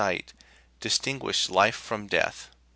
sight, distinguish life from death.